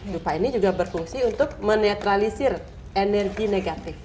dupa ini juga berfungsi untuk menetralisir energi negatif